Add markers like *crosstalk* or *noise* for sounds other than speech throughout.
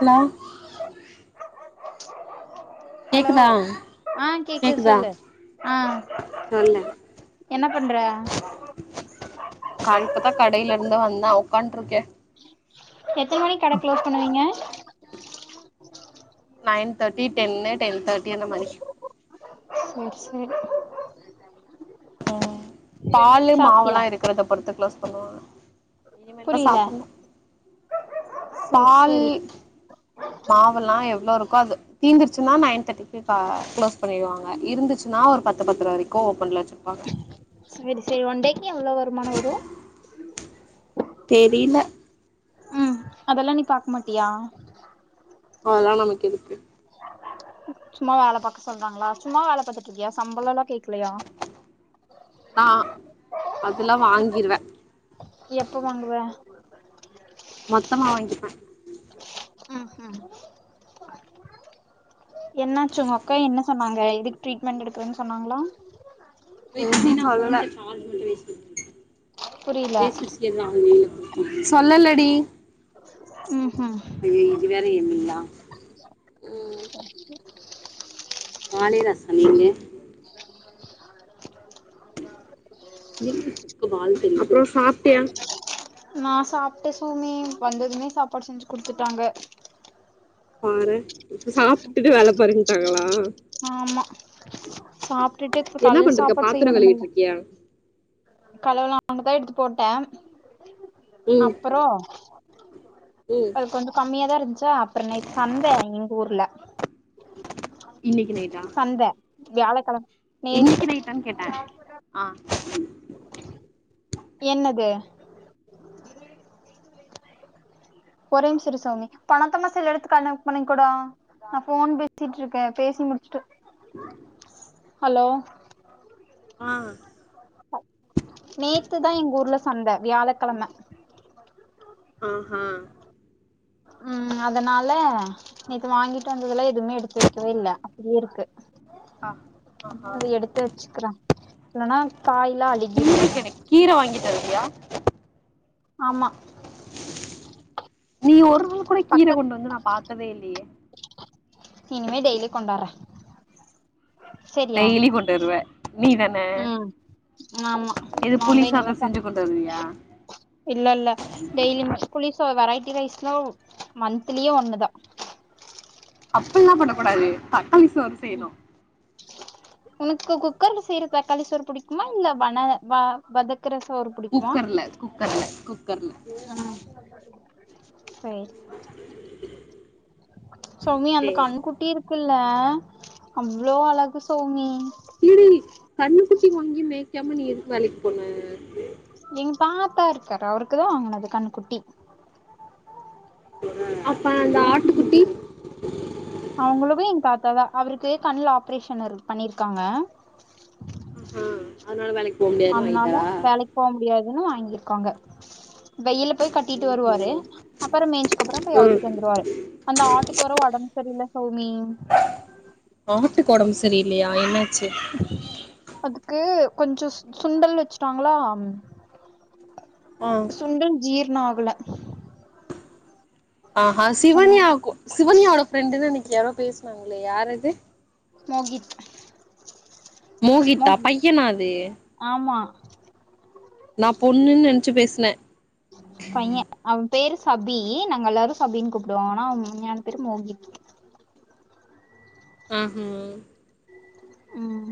hello hello கேக்குதா ஆ கேக்குது கேக்குதா சொல்லு ஆ சொல்லு என்ன பண்ற நா இப்ப தா கடைலருந்தே வந்தே ஒக்கான்ட்ருக்கே எத்தன மணிக் கட க்ளோஸ் பண்ணுவீங்க நைன் தேர்டி டென்னு டென் தேர்டி அந்த மாரி சேரி சேரி ம் பாலு மாவெல்லா சாப்ட்டியா இருக்குறத பொறுத்து க்ளோஸ் பண்ணுவாங்க இனிமேல் தா புரில சாப்புணு சேர் பால் சேரி மாவெல்லா எவ்ளோ இருக்கோ அது தீந்திரிச்சுன்னா நைன் தேர்டிக்கு க க்ளோஸ் பண்ணிருவாங்க இருந்துச் ன்னா ஒரு பத்து பத்ரவரைக்கு ஓப்பன்ல வச்சிருப்பாங்க சேரி சேரி ஒன்டேக்கி எவ்ளோ வருமானோ வரு தெரில ம் அதல்லா‌ நீ பாக் மாட்டியா அதல்லா நமக்கு எதுக்கு சும்மா வேல பாக்க சொல்றாங்ளா சும்மா வேல பாத்துட்ருக்கியா சம்பளோல்லா கேக்லயா நா அதல்லா வாங்கிருவே எப்ப வாங்குவ மொத்தமா வாங்கிப்பே ம் உம் என்னாச்சு உங்க அக்கா என்ன சொன்னாங்க இதுக்கு ட்ரீட்மெண்ட் எடுக்குறன் சொன்னாங்ளா புரில *unintelligible* சொல்லலடி ம் ஹும் ஏ இது வேற *unintelligible* காளிதாசன் நீங்க *inaudible* அப்றோ சாப்டியா நா சாப்டே சௌமி வந்ததுமே சாப்பாடு செஞ்சு குடுத்துட்டாங்க பாரே இப்ப சாப்ட்டுட்டு வேல பாருன்டாங்களா ஆமா சாப்ட்டுட்டு இப்ப என்ன காலைல பண்ருக்க சாப்பாடு பாத்திரோ செய்யணும்ல்ல கழுவிட்டு இருக்கியா கலவு லாம தா எடுத்து போட்டே ம் அப்பறோ ம் அது கொஞ்சோ கம்மியா தா இருன்ச்சா அப்றோ நேத் சந்த எங்ஊர்ல இன்னக்கி நைட்டா ந்த வியாழக்கெழம நேத்து இன்னக்கி நைட்டான் கேட்டே ஆ என்னது ஒரே நிம்ஷோ இரு சௌமி ஹலோ ஆ நேத்துதா எங்ஊர்ல சந்த வியாழக்கெழம ஆ ஹா ம் அதனால நேத்து வாங்கிட்டு வந்ததுல்ல எதுமே எடுத்து வெக்கவே இல்ல அப்புடியே இருக்கு ஆ ஆ ஆஹா அத எடுத்து வெச்சுக்கிறே இல்லனா காய்லா அழுகிருல எனக் கீர வாங்கி தருவியா ஆமா நீ ஒரு நாள் கூட கீர பக்கத் கொண்டு வந்து நா பாத்ததே இல்லயே இனிமே டெய்லி கொண்டாறே செரியா டெய்லி கொண்டு வருவ நீ தான ம் ஆமா நாதா இனிமே சாதம் ச செஞ்சு கொண்டு வருவியா இல்ல இல்ல டெய்லிமே புளிசோ வெரைட்டி ரைஸ்லா மாந்த்லியே ஒன்னுதா அப்பில்லா பண்ணக்கூடாது ப ம் உனக்கு குக்கர்ல செய்ற தக்காளி சோறு புடிக்குமா இல்ல வன வ வதக் த்துற சோற் குக்கர்ல குக்கர்ல குக்கர்ல அ சேரி சௌமி அந்த சேரி கண்குட்டி இருக் குள்ள அவ்ளோ அழகு சௌமி எடி கண்னு குட்டி வாங்கி மேய்க்காம நீ எதுக்கு வேலைக் போன எங்க தாத்தா இருக்காரு அவுருக்குதா வாங்குனது கண்னுகுட்டி அப்ப அந்த ஆட்டு குட்டி அவுங்குளுக்கு எங்க தாத்தாதா அவுருக்கு கண்ல ஆப்ரேஷன் இரு பண்ணிருக்காங்க ம் ம் அதனால வேலைக் போனு அதனால வேலைக் போ முடியாதுனு வாங்கிருக்காங்க வெயில போய் கட்டிட்டு வருவாரு ம்ஹும் அப்பறோ மேய்ஞ்சுக்கப்புறோ போய் அவுத்துட்டு வந்துருவாரு அந்த ஆட்டுக்கு வேற ஒடம்பு செரில சௌமி ஆட்டுக்கு ஒடம்பு செரி இல்லையா என்னாச்சு அதுக்கு கொஞ்சோ சுண்டல் வெச்சுட்டாங்ளா அ சுண்டல் ஜீர்ணோ ஆகல அஹ சிவன்யா கு சிவன்யாவோட ஃப்ரெண்டுனு இன்னிக்கு யாரோ பேஸ்னாங்களே யாரது மோகித் மோகித்தா மோகித் பையனா அது ஆமா நா பொண்ணுன் நெனச்சு பேசுன பைய அவ பேரு சபி நாங்க எல்லாரு சபின் கூப்டுவோ ஆனா அவ உண்மையான பேரு மோகித் அ ம் ம்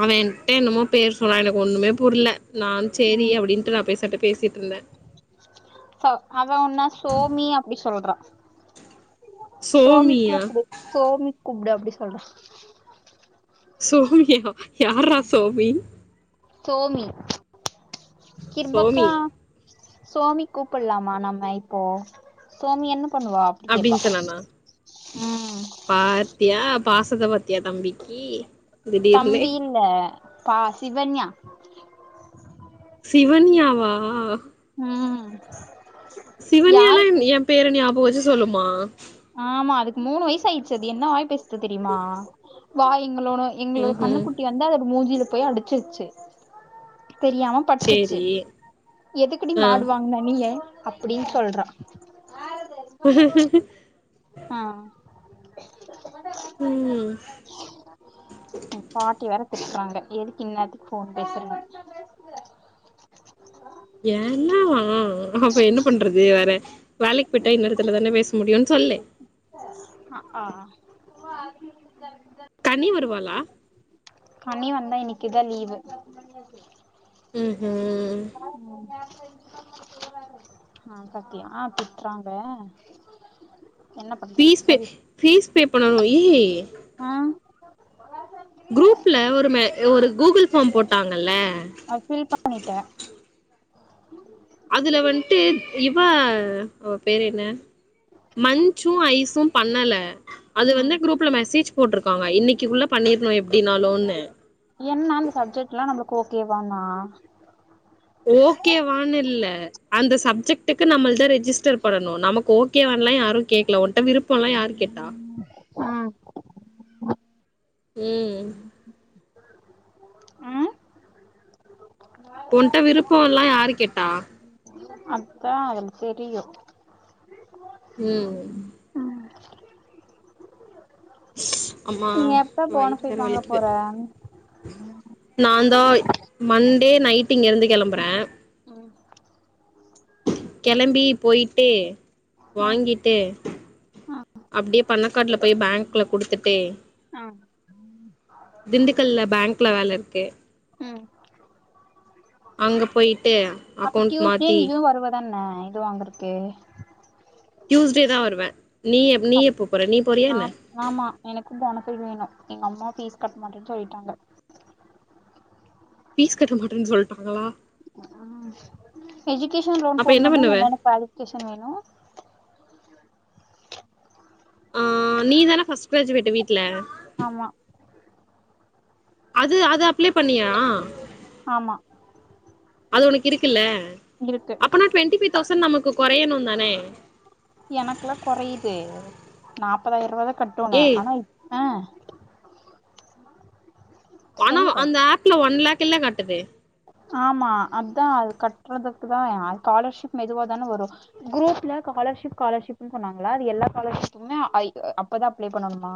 அவ என்ட என்னமோ பேர் சொன்னா எனக்கு ஒன்னுமே புர்ல நா சேரி ம் அப்டின்டு நா பேசட்டு பேசிட்ருந்தே ச அவ ஒன்னா சோமி அப்டி சொல்றா சோமி சோமியா கூப்டு சோமி கூப்டு அப்டி சொல்றா சோமியா யார்ரா சோமி சோமி சோமி கிருபாக்கா சோமி கூப்பல்லாமா நம்ம இப்போ சோமி என்ன பண்ணுவா அப்படி கேட்பா அப்டின் சொன்னானா ம் பாத்தியா பாசத்த பாத்தியா தம்பிக்கு திடீர்னு தம்பின் வ பா சிவன்யா சிவன்யாவா ம்,,, சிவன்யல்லா யாருக்கு என் பேர ஞாபக வச்சு சொல்லுமா ஆமா அதுக்கு மூணு வயசு ஆயிடுச்சு அது என்ன வாய் பேசுது தெரியுமா வா எங்களோட எங்களோட ம்ஹும் கண்ணுக்குட்டி வந்து அதோட மூஞ்ஜில போய் அடிச்சிருச்சு தெரியாம பட்ருச்சு சேரி எதுக்குடி ஆ மாடுவாங்குன்ன நீ ஏன் அப்டின் சொல்றா *unintelligible* ஆ ம் பாட்டி வேற திட்றாங்க எதுக்கு இன்னேத்துக்கு ஃபோன் பேசுறன்னு என்னவா அப்ப என்ன பண்றது வேற வேலைக்கு போய்ட்டா இன்ன நேரத்துல தான பேச முடியுன் சொல்லு அ ஆ கனி வருவாளா கனி வந்தா இன்னைக்குதா லீவு ம்ஹு ம் ம் அ பாக்லா அ திட்றாங்க என்ன பண்றது பீஸ் பே சொல்லு பீஸ் பே பண்ணணு ஏய் அ குரூப்ல ஒரு ஒரு கூகுள் ஃபார்ம் போட்டாங்கல அத ஃபில் பண்ணிட்ட அதுல வந்ட்டு இவ அவ பேரு என்ன மஞ்ச்சு ஐஸு பண்ணல அது வந்து ம் குரூப்ல மெசேஜ் போட்ருக்காங்க இன்னைக்குள்ள பண்ணிடணு எப்டின்னாலுன்னு என்னான் இந்த சப்ஜெக்ட்ல்லா நம்மளுக்கு ஓகேதானா ஓகே வானுல்ல அந்த சப்ஜெக்டுக்கு நம்மள்த ரெஜிஸ்டர் பண்ணணு நமக்கு ஓகேவாலா யாரு கேக்கல உன்ட்ட விருப்பலா யாரு கேட்டா ஆ ம் *inaudible* உன்ட்ட விருப்பல்லா யாரு கேட்டா கோவ வந்ச்சு கியு ம் அம்மா நீ எப்ப வயிட்டு வேற போனஃபைட் வாங்க வலிக்குது போற நான்தாய் மண்டே நைட்டு் இங்க இருந்து கெளம்புற ம் கெளம்பி போய்ட்டு ஆ வாங்கிட்டு அப்டியே பண்ண காட்ல போய் பேங்க்ல குடுத்துட்டு ஆ ம் திண்டுக்கல்ல பேங்க்ல வேலருக்கு ம் அங்க போயிட்டு அக்கௌண்ட் மாத்தி தன்ன இது வாங்கறத்கே டியூஸ்டே தா வருவே நீ எப் நீ எப்ப போற நீ போறியா ஆ என்ன ஆமா எனக்கு போனஃபை வேணு எங்க அம்மா ஃபீஸ் கட்ட மாட்டேன் சொல்லிட்டாங்க ஃபீஸ் கட்ட மாட்டேன்னு சொல்லிட்டாங்களா அ எஜுகேஷன் லோன் அப்ப என்ன போடணுன்னா பண்ணுவ என்னன்ன குவாலிபிகேஷன் வேணு ஆ நீ தான ஃபஸ்ட் க்ராஜுவேட்டு வீட்ல ஆமா அது அது அப்ளை பண்ணியா ஆமா அது உனக்கு இருக்குல்ல இருக்கு அப்போனா டுவெண்டி ஃபைவ் தௌசண்ட் நமக்கு கொறையணு தானே எனக்குல்லா கொறையுதே நாப்பதாயிரோ ரூபா தா கட்டுண ஏய் ஆனா இப் ஆ பணோ சொல்லு அந்த ஆப்ல ஒன் லேக்ல்ல காட்டுது ஆமா அதா அது கட்டுறதுக்கு தா அ காலர்ஷிப் மெதுவா தான வரு குரூப்ல காலர்ஷிப் காலர்ஷிப்னு சொன்னாங்களா அது எல்லா காலர்ஷிப்புமே அப்பதா ஐ அ அப்ளை பண்ணனுமா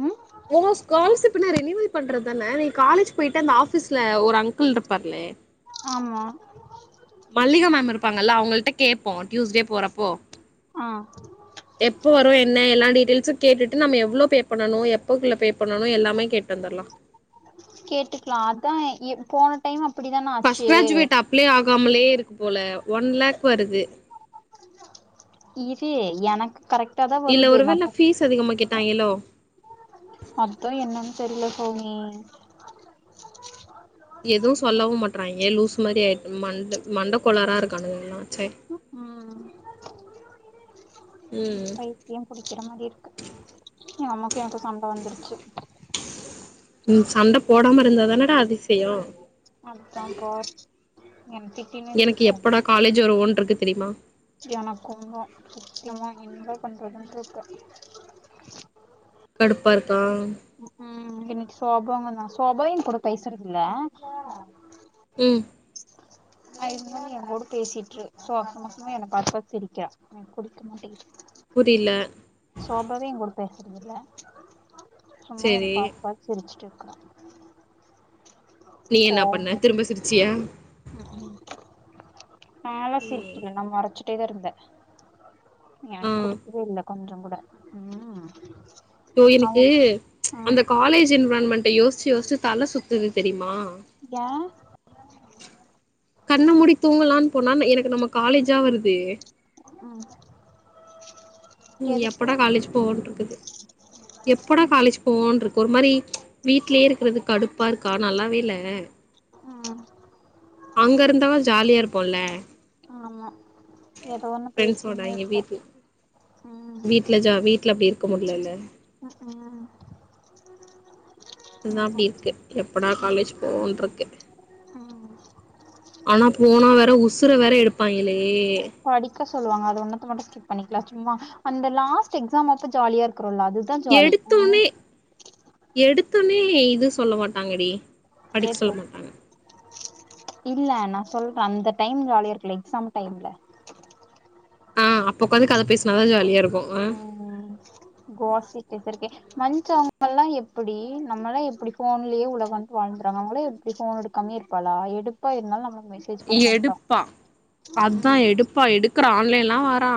ம் ஓ ஸ்காலர்ஷிப்னா ரெனிவல் பண்றதுதான நீ காலேஜ் போயிட்டு அந்த ஆஃபீஸ்ல ஒரு அங்கிள் இருப்பாருலே ஆமா மல்லிகா மேம் இருப்பாங்கல்ல அவங்கள்ட கேப்போ டியூஸ்டே போறப்போ ஆ எப்போ வரு என்ன எல்லா டீடைல்ஸ்சு கேட்டுட்டு நம்ம எவ்ளோ பே பண்ணனு எப்பக்குள்ள பே பண்ணணு எல்லாமே கேட் டு வந்துர்லா கேட்டுக்கலா அதா எ போன டைம் அப்டிதான ஃபர்ஸ்ட் ஆச்சு கிராஜுவேட் அப்ளை ஆகாமலே இருக்கு போல ஒன் லேக் வருது இது எனக் கரெக்ட் இல்ல ஒரு வேள ஃபீஸு அதிகமா கேட்டாயிங்கள்லோ அத்தா என்னான் தெரில சௌமி எதுவு சொல்லவு மாட்றாயிங்க லூஸ் மாதிரி ஆயி மண்ட மண்டக்கோளாராருக்கானுங்க எல்லாம்சே ம் ம் பைத்தியோ பிடிக்கிற மாரி இருக்கு ஏ அம்மாக்கு எனக்கு சண்ட வந்துருச்சு ம் சண்ட போடாம இருந்தாதானடா அதிசயோ அத்தா பா என் திட் எனக்கு எப்படா காலேஜ் வருவோனு இருக்கு தெரியுமா எனக்கும்தா சத்தியமா என்ன பண்றதுன்ட்ருக்க கடுப்பாருக்கா சோபாய் எங் கூட பேசுறதில்ல ம் ஆ இன்னு எங் கூட பேசிட்டுரு சோ அசமாசமா என்ன பாத் பாத்து சிரிக்கரா எனக் புடிக்க மாட்டேங்குது புரியல சோபாவு எங் கூட பேசுறதில்ல சும்மா என்ன சேரி பாத் பாத் சிரச்சுட்டு இருக்குறா நீ என்ன பண்ண திரும்ப சிரிச்சிய நால சிரிக்கில நா மொறச்சிட்டேதா இருந்தே என ஆ புடிக்கவே இல்ல கொஞ்சோ கூட ம் சோ எனக்கு அவன் ம் அந்த காலேஜ் என்விரான்மென்ட்ட யோசிச்சி யோசிச்சி தல சுத்துது தெரியுமா ஏயா கண்ண முடி தூங்கலான்னு போனா எனக்கு நம்ம காலேஜா வருதே ம் ம் எதுக்கு எப்படா காலேஜ் போவோன்டிருக்குது எப்படா காலேஜ் போவோன்டிருக்கு ஒரு மாரி வீட்லயே இருக்கறது கடுப்பா இருக்கா நல்லாவே இல்ல ம் அங்க இருந்தாவாது ஜாலியா இருப்போம்ல ஆமா ஏதோ ஒன்னு ஃப்ரெண்ட்ஸோட பேசினே இங்க இருக்போ வீட்ல ம் வீட்ல ஜா வீட்ல அப்படி இருக் இருக்க முட்லல உஹம் உம் அதா அப்டி இருக்கு எப்படா காலேஜ் போவோன்டிருக்கு ம் ஆனா போனா வேற உசுர வேற எடுப்பாங்கிளே படிக்க சொல்லுவாங்க அது ஒன்னத்த மட்டு ஸ்கிப் பண்ணிக்கலா சும்மா அந்த லாஸ்ட் எக்ஸாம் அப்ப ஜாலியா இருக்கறோம்ல அது எடுத்தோனே எடுத்தோனே இது சொல்ல மாட்டாங்கடி படிக்க நேத்து சொல்ல மாட்டாங்க இல்ல நா சொல்ற அந்த டைம் ஜாலியா இருக்குல எக்ஸாம் டைம்ல ஆ அப்ப ஒக்காந்து கத பேசனாதா ஜாலியா இருக்கு ஆ *unintelligible* மஞ்சி அவுங்கல்லா எப்டி நம்மல்லா எப்டி ஃபோன்லயே உலகன்னுட்டு வாழ்ந்துறாங்க அவுங்கள்ல எப் எப்டி ஃபோன் எடுகாமலே இருப்பாள எடுப்பா இருந்தாலு நம்மளுக் மெசே எடுப்பா அதா ம் எடுப்பா எடுக்கற ஆன்லைன்லலா வாறா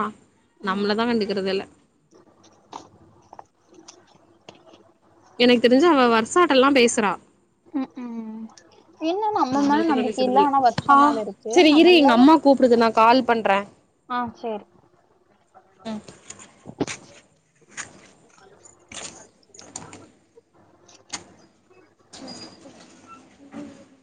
ம் நம்மளதா கண்டுக்கறது இல்ல எனக்கு தெரிஞ்சி அவ வர்ஷாட்டல்லா பேசுறா ம் ம் என்ன நம்ம மேல நம்மள்ட தா நம்பிக்கை இல்ல பேசறதில்ல ஆனா வர்ஷா ஆ மேல இருக்கு சேரி நம்ம இரு எங்க எல்லாரு அம்மா கூப்புடுது நா கால் பண்ற ஆ சேரி